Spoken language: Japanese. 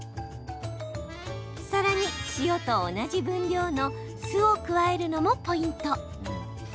さらに、塩と同じ分量の酢を加えるのもポイント。